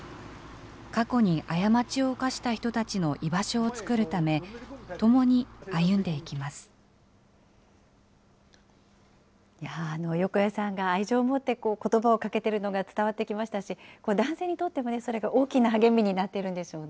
過去に過ちを犯した人たちの居場所を作るため、いやー、横家さんが愛情をもってことばをかけているのが伝わってきましたし、男性にとってもそれが大きな励みになっているんでしょうね。